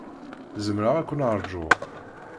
Zemreɣ ad ken-ṛjuɣ.